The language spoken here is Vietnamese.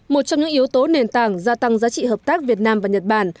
một trong những yếu tố nền tảng gia tăng giá trị hợp tác việt nam và nhật bản